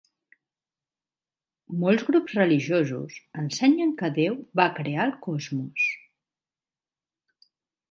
Molts grups religiosos ensenyen que Déu va crear el cosmos.